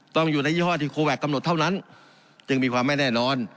ต้องอยู่ในยี่ห้อที่โคแวคกำหนดเท่านั้นจึงมีความไม่แน่นอน